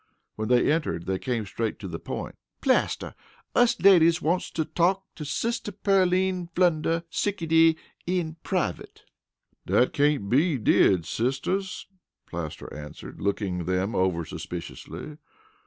When they entered they came straight to the point. "Plaster, us ladies wants to talk to Sister Pearline Flunder Sickety in privut." "Dat cain't be did, sisters," Plaster answered, looking them over suspiciously.